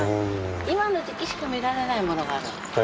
今の時季しか見られないものがあるんです。